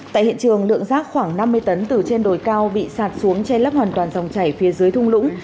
tại hiện trường lượng rác khoảng năm mươi tấn từ trên đồi cao bị sạt xuống che lấp hoàn toàn dòng chảy phía dưới thung lũng